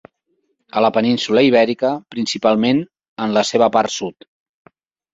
A la península Ibèrica, principalment en la seva part sud.